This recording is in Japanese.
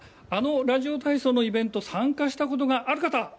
ラジオ体操のイベント参加したことがある方？